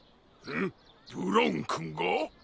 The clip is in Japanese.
ブラウンくんが？